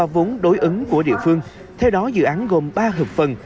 vốn đối ứng của địa phương theo đó dự án gồm ba hợp phần